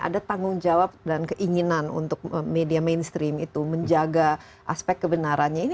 ada tanggung jawab dan keinginan untuk media mainstream itu menjaga aspek kebenarannya ini